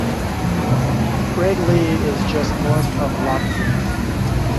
Craiglee is just north of Loch Dee.